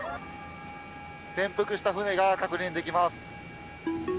転覆した船が確認できます。